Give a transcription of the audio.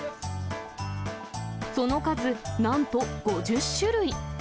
その数、なんと５０種類。